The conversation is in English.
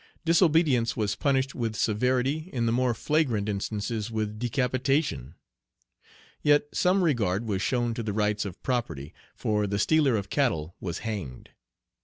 Disobedience was punished with severity, in the more flagrant instances with decapitation. Yet some regard was shown to the rights of property, for the stealer of cattle was hanged.